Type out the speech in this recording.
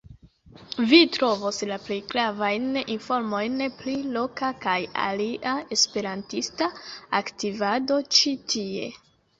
Vi trovos la plej gravajn informojn pri loka kaj alia esperantista aktivado ĉi tie.